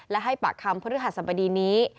และให้ปากคำพฤหัสบดีนี้